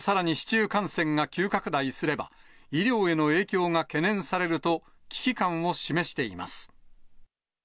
今後、さらに市中感染が急拡大すれば、医療への影響が懸念されると、危機感を示しています。